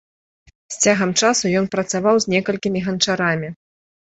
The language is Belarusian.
З цягам часу ён працаваў з некалькімі ганчарамі.